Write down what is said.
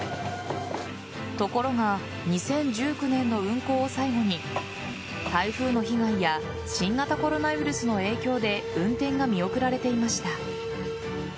ところが２０１９年の運行を最後に台風の被害や新型コロナウイルスの影響で運転が見送られていました。